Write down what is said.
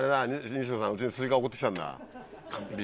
西野さんうちにスイカ送ってきたんだ。